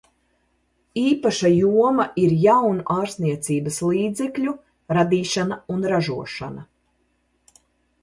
Īpaša joma ir jaunu ārstniecības līdzekļu radīšana un ražošana.